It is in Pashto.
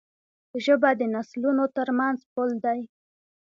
ژبه د نسلونو ترمنځ پُل دی.